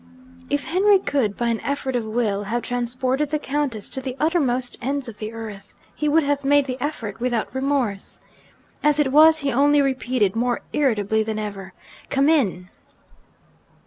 If Henry could, by an effort of will, have transported the Countess to the uttermost ends of the earth, he would have made the effort without remorse. As it was, he only repeated, more irritably than ever, 'Come in!'